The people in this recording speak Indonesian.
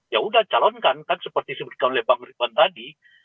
ya sudah calonkan kan seperti seperti pak meripan tadi